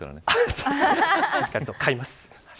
しっかりと買います。